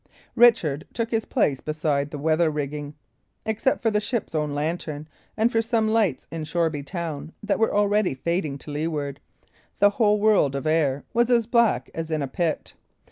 Richard took his place beside the weather rigging. Except for the ship's own lantern, and for some lights in Shoreby town, that were already fading to leeward, the whole world of air was as black as in a pit.